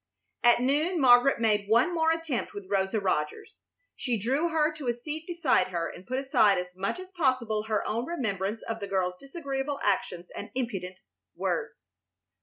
At noon Margaret made one more attempt with Rosa Rogers. She drew her to a seat beside her and put aside as much as possible her own remembrance of the girl's disagreeable actions and impudent words.